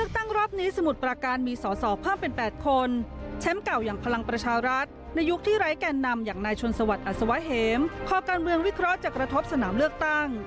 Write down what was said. ตอนนี้สมุทรปราการมีสอสอเพิ่มเป็น๘คนแชมป์เก่าอย่างพลังประชารัฐในยุคที่ไร้แก่นำอย่างนายชนสวัสดิ์อัศวะเห็มข้อการเรืองวิเคราะห์จากกระทบสนามเลือกตั้ง